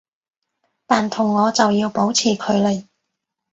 但同我就要保持距離